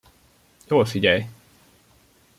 Jól figyelj!